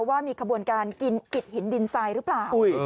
ว่ามีขบวนการกิดหินดินไซด์หรือเปล่า